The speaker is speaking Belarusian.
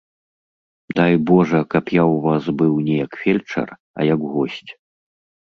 Дай божа, каб я ў вас быў не як фельчар, а як госць.